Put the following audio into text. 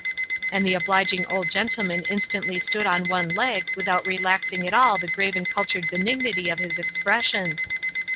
And the obliging old gentleman instantly stood on one leg without relaxing at all the grave and cultured benignity of his expression.